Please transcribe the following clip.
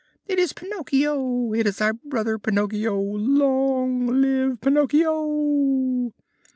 "It is Pinocchio! It is our brother Pinocchio! Long live Pinocchio!"